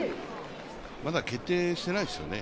まだ決定していないですよね？